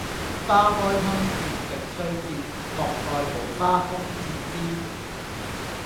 花開堪折直須折，莫待無花空折枝！